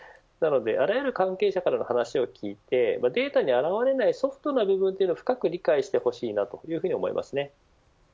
あらゆる関係者から話を聞いてデータに現れないソフトな部分を深く理解してほしいと思います。